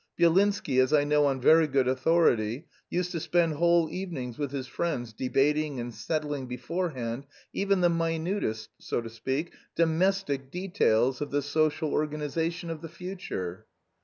Byelinsky, as I know on very good authority, used to spend whole evenings with his friends debating and settling beforehand even the minutest, so to speak, domestic, details of the social organisation of the future."